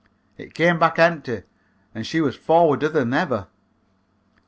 It came back empty and she was forwarder than ever.